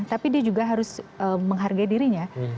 tapi dia juga harus menghargai dirinya